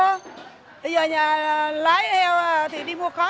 bây giờ nhà lái heo thì đi mua khó